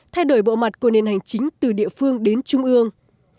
thay đổi bộ mặt của nền hành chính từ địa phương đến trung ương